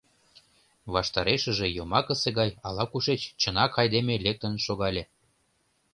Ваштарешыже йомакысе гай ала-кушеч чынак айдеме лектын шогале.